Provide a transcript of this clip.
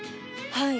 はい。